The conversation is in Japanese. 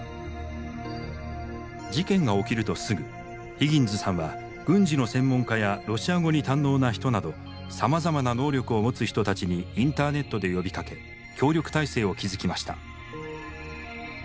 事件が起きるとすぐヒギンズさんは軍事の専門家やロシア語に堪能な人などさまざまな能力を持つ人たちにインターネットで呼びかけ協力体制を築きました。